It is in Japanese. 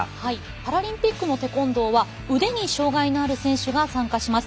パラリンピックのテコンドーは腕に障がいのある選手が参加します。